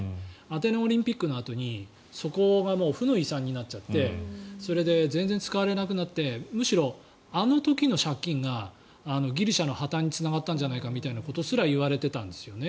アテネオリンピックのあとにそこが負の遺産になっちゃってそれで全然使われなくなってむしろあの時の借金がギリシャの破たんにつながったんじゃないかみたいなことすら言われていたんですね。